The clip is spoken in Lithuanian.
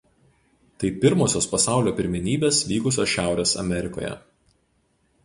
Tai pirmosios pasaulio pirmenybės vykusios Šiaurės Amerikoje.